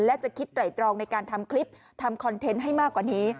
และจะคิดไตรตรองในการทำคลิปทำคอนเทนต์ให้มากกว่านี้